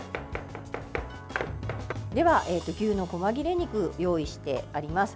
では、牛のこま切れ肉を用意してあります。